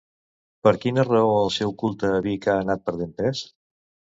Per quina raó el seu culte a Vic ha anat perdent pes?